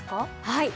はい。